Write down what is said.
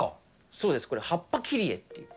そうです、これ、葉っぱ切り絵っていう。